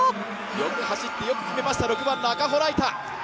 よく走ってよく決めました、６番の赤穂雷太。